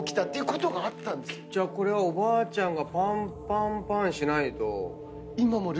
じゃあこれはおばあちゃんがパンパンパンしないと。